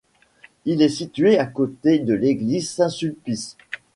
Il est situé à côté de l'église Saint-Sulpice.